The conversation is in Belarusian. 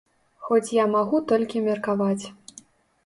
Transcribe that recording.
Хоць я магу толькі меркаваць.